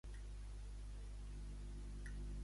Vol un vi en concret ella?